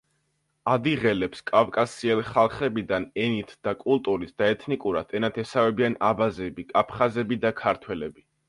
ადიღელებს კავკასიელ ხალხებიდან ენით და კულტურით და ეთნიკურად ენათესავებიან აბაზები, აფხაზები და ქართველები.